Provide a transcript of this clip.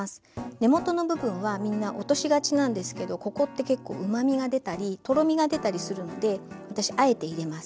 根元の部分はみんな落としがちなんですけどここって結構うまみが出たりとろみが出たりするので私あえて入れます。